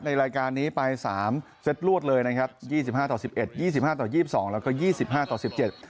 รายการนี้ไปสามเซตรวดเลยนะครับยี่สิบห้าต่อสิบเอ็ดยี่สิบห้าต่อยี่สิบสองแล้วก็ยี่สิบห้าต่อสิบเจ็ด